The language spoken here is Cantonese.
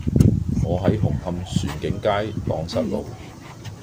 我喺紅磡船景街盪失路